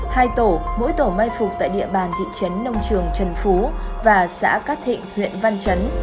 hai tổ mỗi tổ mai phục tại địa bàn thị trấn nông trường trần phú và xã cát thịnh huyện văn chấn